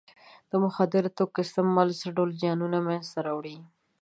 د مخدره توکو استعمال څه ډول زیانونه منځ ته راوړي.